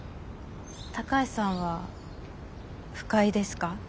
高橋さんは不快ですか？